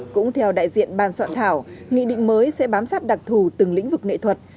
cũng theo đại diện ban soạn thảo nghị định mới sẽ bám sát đặc thù từng lĩnh vực nghệ thuật